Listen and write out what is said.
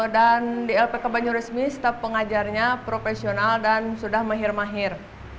dan di lpk banyuresmi staf pengajarnya profesional dan sudah mahir mahir